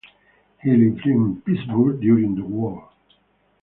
He lived in Pittsburgh during the war.